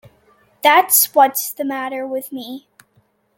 That's what's the matter with me.